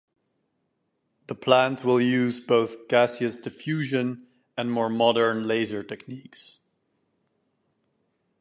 The plant will use both gaseous diffusion and more modern laser techniques.